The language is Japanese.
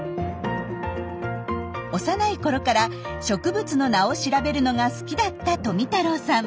幼いころから植物の名を調べるのが好きだった富太郎さん。